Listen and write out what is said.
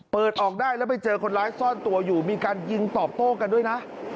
เปิดออกได้แล้วไปเจอคนร้ายซ่อนตัวอยู่มีการยิงตอบโต้กันด้วยนะ